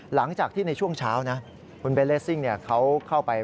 หลังจากที่ในช่วงเช้าคุณเบนส์เรซิ่งเขาเข้าไป